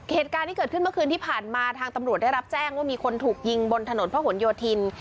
เหตุการณ์ที่เกิดขึ้นเมื่อคืนที่ผ่านมาทางตำรวจได้รับแจ้งว่ามีคนถูกยิงบนถนนพระหลโยธิน